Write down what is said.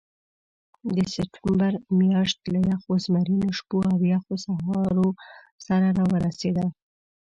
د سپټمبر میاشت له یخو زمرینو شپو او یخو سهارو سره راورسېده.